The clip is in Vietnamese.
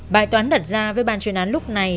bài toán đặt ra với ban chuyên án lúc này